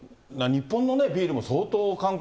日本のビールも相当韓国